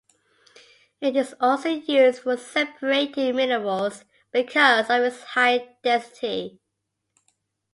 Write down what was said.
It is also used for separating minerals because of its high density.